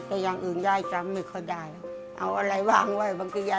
แต่อย่างอื่นยายจำไม่ค่อยกันได้